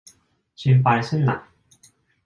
心配すんな。